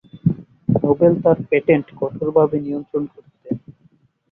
Nobel তার patent কঠোর ভাবে নিয়ন্ত্রণ করতেন।